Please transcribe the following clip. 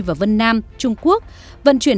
và vân nam trung quốc vận chuyển